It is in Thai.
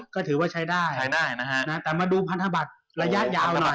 ก็ถือว่าใช้ได้ใช้ได้นะฮะแต่มาดูพันธบัตรระยะยาวหน่อย